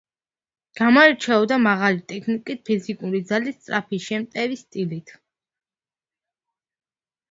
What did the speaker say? გამოირჩეოდა მაღალი ტექნიკით, ფიზიკური ძალით, სწრაფი, შემტევი სტილით.